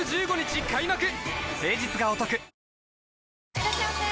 いらっしゃいませ！